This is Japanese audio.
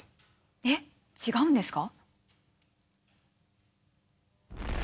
えっ違うんですか？